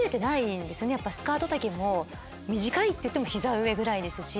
スカート丈も短いっていっても膝上ぐらいですし。